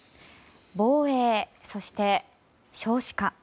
防衛、そして少子化。